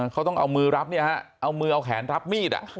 เขาต้องเอามือรับเนี่ยฮะเอามือเอาแขนรับมีด